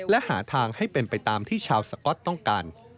และหาทางให้เป็นไปตามที่ชาวสก๊อตต้องการ